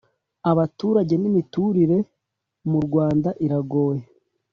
Abaturage n Imiturire mu Rwanda iragoye